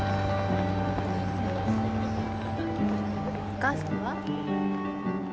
お母さんは？